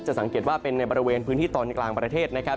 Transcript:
สังเกตว่าเป็นในบริเวณพื้นที่ตอนกลางประเทศนะครับ